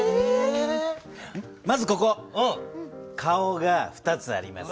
まずここ顔が２つあります。